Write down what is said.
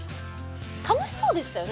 楽しそうでしたよね？